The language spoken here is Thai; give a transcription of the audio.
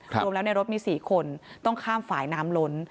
รวมแล้วในรถมี๔คนต้องข้ามฝ่ายน้ำล้น